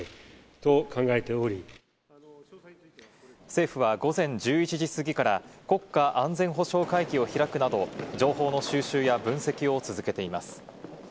政府は午前１１時過ぎから国家安全保障会議を開くなど情報の収集や分析を続けています。